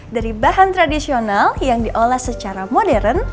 dari bahan tradisional yang diolah secara modern